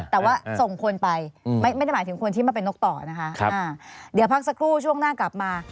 แต่ว่าส่งคนไปไม่ได้หมายถึงคนที่มาเป็นนกต่อนะคะเดี๋ยวพักสักครู่ช่วงหน้ากลับมา